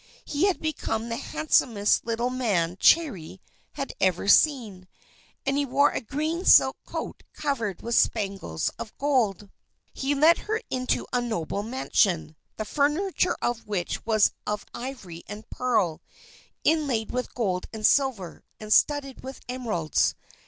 He had become the handsomest little man Cherry had ever seen, and he wore a green silk coat covered with spangles of gold. He led her into a noble mansion, the furniture of which was of ivory and pearl, inlaid with gold and silver and studded with emeralds.